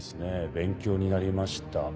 勉強になりました。